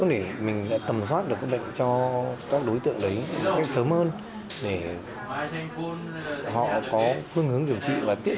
để mình tầm soát được các bệnh cho các đối tượng đấy sớm hơn để họ có phương hướng điều trị và tiết